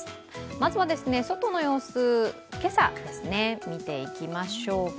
まずは外の様子、今朝ですね、見ていきましょうか。